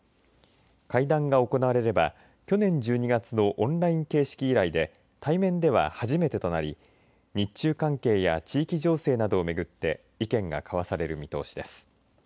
会談が行われれば去年１２月のオンライン形式以来で対面では初めてとなり日中関係や地域情勢などを巡って意見が交わされる見通しです。